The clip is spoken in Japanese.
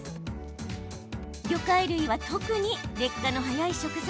魚介類は特に劣化の早い食材。